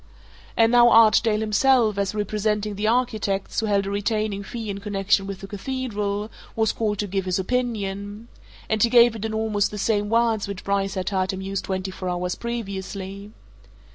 And now Archdale himself, as representing the architects who held a retaining fee in connection with the Cathedral, was called to give his opinion and he gave it in almost the same words which Bryce had heard him use twenty four hours previously.